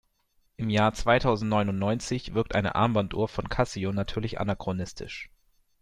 Im Jahr zweitausendneunundneunzig wirkt eine Armbanduhr von Casio natürlich anachronistisch.